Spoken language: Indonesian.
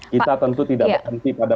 kita tentu tidak berhenti pada